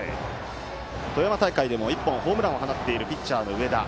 富山大会でも１本ホームランを放っているピッチャーの上田。